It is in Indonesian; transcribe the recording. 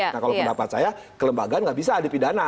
nah kalau pendapat saya kelembagaan nggak bisa dipidana